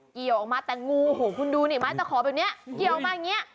เกี่ยวออกมาแต่งูโอ้โหคุณดูนี่ไม้ตะขอแบบนี้เกี่ยวมาอย่างเงี้